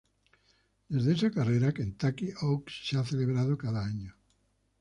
Desde esa carrera, Kentucky Oaks se ha celebrado cada año.